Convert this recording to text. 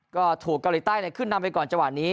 ก็ถูกเกาหลีใต้ขึ้นนำไปก่อนจังหวะนี้